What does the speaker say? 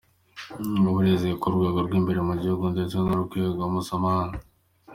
Ubu buryo burizewe ku rwego rw’imbere mu gihugu ndetse n’urwego mpuzamahanga.